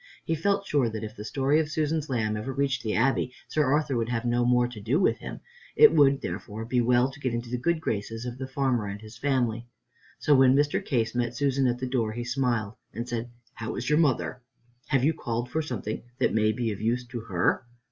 He felt sure that if the story of Susan's lamb ever reached the Abbey, Sir Arthur would have no more to do with him. It would therefore be well to get into the good graces of the farmer and his family. So when Mr. Case met Susan at the door he smiled and said, "How is your mother? Have you called for something that may be of use to her?